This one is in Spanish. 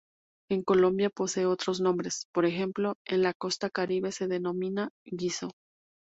En Colombia posee otros nombres, por ejemplo, en la Costa Caribe se denomina "guiso.